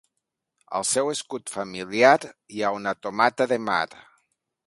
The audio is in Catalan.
Al seu escut familiar hi ha una tomata de mar.